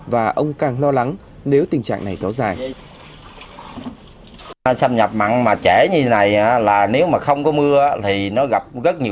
và ông càng lo lắng nếu tình trạng này kéo dài